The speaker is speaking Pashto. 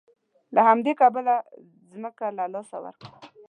له همدې کبله ځمکه یې له لاسه ورکړه.